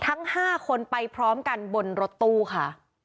ทั้ง๕คนไปพร้อมกันบนรถตู้ค่ะ